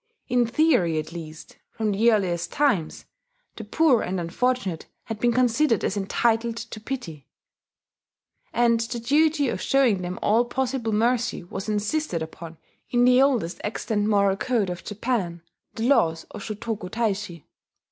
In theory at least, from the earliest times, the poor and unfortunate had been considered as entitled to pity; and the duty of showing them all possible mercy was insisted upon in the oldest extant moral code of Japan, the Laws of Shotoku Taishi.